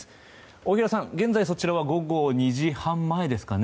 大平さん、現在そちらは午後２時半前ですかね。